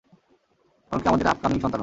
এমনকি আমাদের আপকামিং সন্তানও।